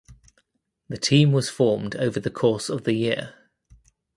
The team was formed over the course of the year.